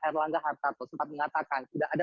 erlangga hartarto sempat mengatakan tidak ada